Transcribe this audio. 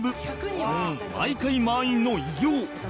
毎回満員の偉業